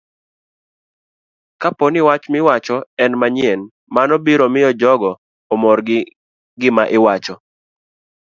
Kapo ni wach miwacho en manyien, mano biro miyo jogo omor gi gima iwacho